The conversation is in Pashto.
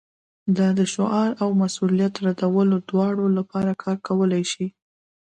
دا د شعار او مسؤلیت ردولو دواړو لپاره کار کولی شي